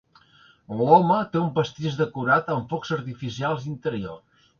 L'home té un pastís decorat amb focs artificials interiors.